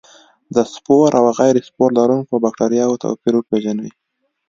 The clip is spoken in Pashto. د سپور او غیر سپور لرونکو بکټریا توپیر وپیژني.